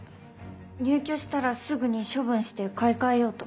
入居したらすぐに処分して買い替えようと。